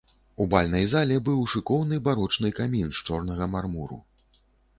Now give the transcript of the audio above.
У бальнай зале быў шыкоўны барочны камін з чорнага мармуру.